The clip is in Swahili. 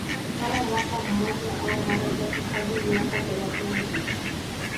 Kama mwaka mmoja au mara chache hadi miaka thelathini